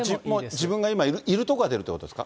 自分が今いる所が出るということですか？